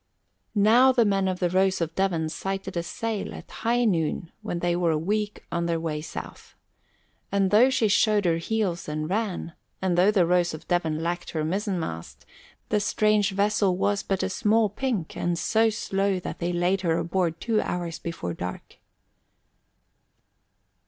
Now the men of the Rose of Devon sighted a sail at high noon when they were a week on their way south, and though she showed her heels and ran, and though the Rose of Devon lacked her mizzenmast, the strange vessel was but a small pink and so slow that they laid her aboard two hours before dark.